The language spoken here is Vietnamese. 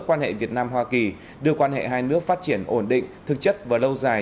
quan hệ việt nam hoa kỳ đưa quan hệ hai nước phát triển ổn định thực chất và lâu dài